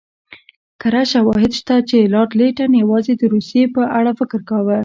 کره شواهد شته چې لارډ لیټن یوازې د روسیې په اړه فکر کاوه.